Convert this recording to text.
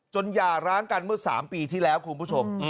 หย่าร้างกันเมื่อ๓ปีที่แล้วคุณผู้ชม